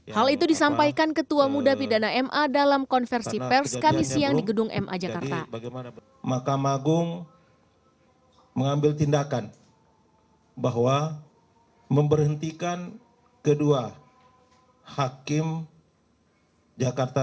hal itu disampaikan ketua muda pidana ma dalam konversi pers kami siang di gedung ma jakarta